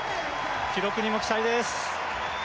記録にも期待です